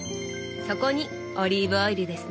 そこにオリーブオイルですね。